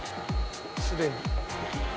すでに。